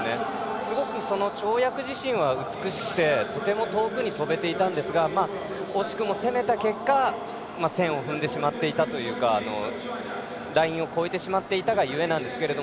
すごく跳躍自身は美しくてとても遠くに飛べていたんですが惜しくも攻めた結果線を踏んでしまったというかラインを越えてしまっていたが故なんですが。